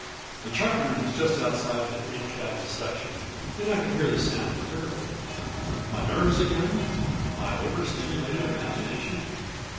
The chart room was just outside the eight cabin section and I could hear the sound clearly. My nerves again, my over stimulated imagination?